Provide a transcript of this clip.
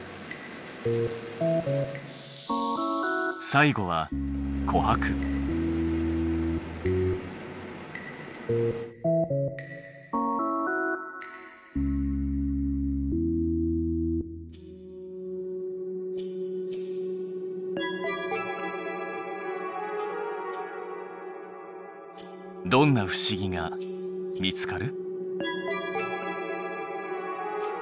最後はどんな不思議が見つかる？